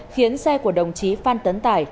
khiến xe của đồng chí phan tấn tài